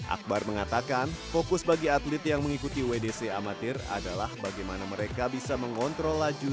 akbar mengatakan fokus bagi atlet yang mengikuti wdc amatir adalah bagaimana mereka bisa mengontrol laju